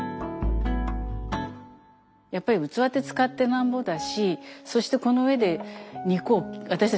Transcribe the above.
やっぱり器って使ってなんぼだしそしてこの上で肉を私たちは平気で切っちゃうんですよ。